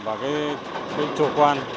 và cái trụ quan